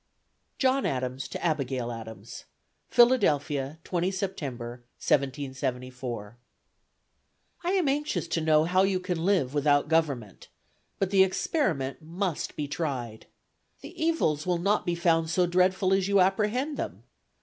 JOHN ADAMS TO ABIGAIL ADAMS. "Philadelphia, 20 September, 1774. "I am anxious to know how you can live without Government. But the experiment must be tried. The evils will not be found so dreadful as you apprehend them.